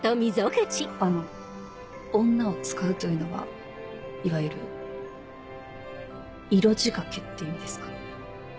あの「女を使う」というのはいわゆる色仕掛けって意味ですか？